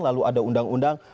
lalu ada undang undang